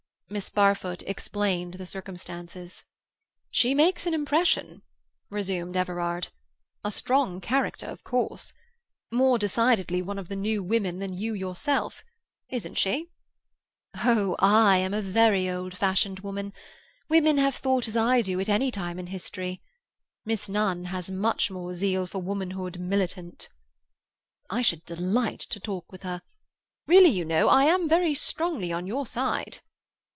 Miss Barfoot explained the circumstances. "She makes an impression," resumed Everard. "A strong character, of course. More decidedly one of the new women than you yourself—isn't she?" "Oh, I am a very old fashioned woman. Women have thought as I do at any time in history. Miss Nunn has much more zeal for womanhood militant." "I should delight to talk with her. Really, you know, I am very strongly on your side."